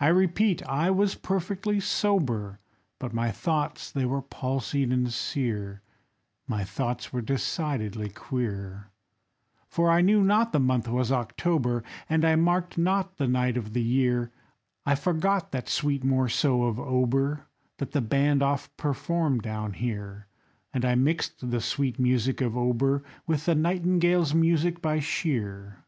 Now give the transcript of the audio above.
I repeat, I was perfectly sober, But my thoughts they were palsied and sear, My thoughts were decidedly queer; For I knew not the month was October, And I marked not the night of the year; I forgot that sweet morceau of Auber That the band oft performed down here, And I mixed the sweet music of Auber With the Nightingale's music by Shear.